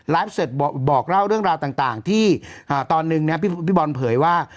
ไลฟ์เสร็จบอกเล่าเรื่องราวต่างที่ตอนนึงนะครับพี่บอลเผยว่า